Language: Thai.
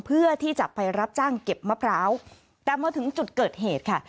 เพื่อที่จะไปรับจ้างเก็บมะพร้าวแต่มาถึงจุดเกิดเหตุค่ะ